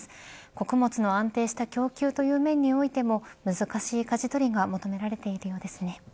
穀物の安定した供給という面においても難しいかじ取りが求められているようですね。